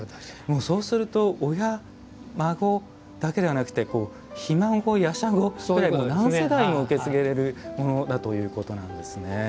そうすると親孫だけではなくてひ孫やしゃごぐらい何世代にも受け継げれるものだということなんですね。